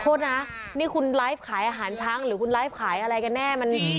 โทษนะนี่คุณไลฟ์ขายอาหารช้างหรือคุณไลฟ์ขายอะไรกันแน่